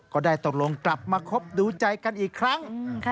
ก็ได้ตกลงกลับมาคบดูใจกันอีกครั้ง